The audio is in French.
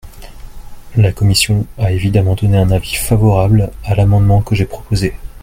La commission a évidemment donné un avis favorable à l’amendement que j’ai proposé.